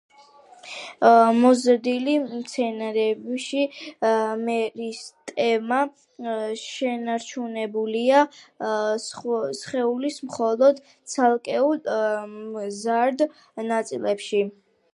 მოზრდილ მცენარეში მერისტემა შენარჩუნებულია სხეულის მხოლოდ ცალკეულ, მზარდ ნაწილებში.